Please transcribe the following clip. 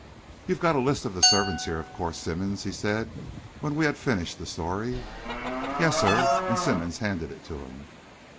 "You've got a list of the servants here, of course, Simmonds," he said, when we had finished the story. "Yes, sir," and Simmonds handed it to him.